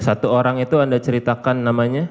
satu orang itu anda ceritakan namanya